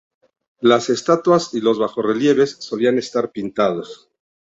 Las estatuas y los bajorrelieves solían estar pintados.